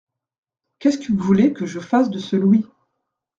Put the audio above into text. Qu’est-ce que vous voulez que je fasse de ce louis ?